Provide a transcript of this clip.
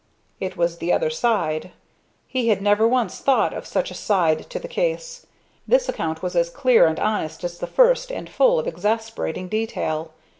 It was the other side. He had never once thought of such a side to the case. This account was as clear and honest as the first and full of exasperating detail.